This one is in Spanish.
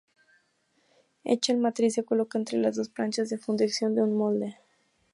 Hecha la matriz, se coloca entre las dos planchas de fundición de un molde.